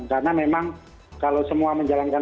karena memang kalau semua menjalankan